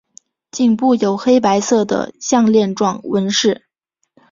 颈部有黑白色的项圈状纹饰。